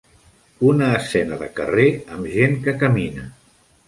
Una escena de carrer amb gent que camina.